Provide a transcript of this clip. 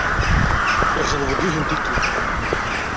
Yexḍeb-d, yiwet n tikkelt.